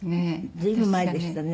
随分前でしたね。